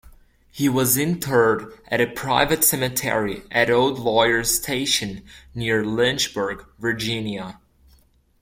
He was interred at a private cemetery at Old Lawyers Station near Lynchburg, Virginia.